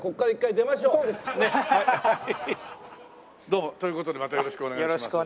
どうも。という事でまたよろしくお願いします。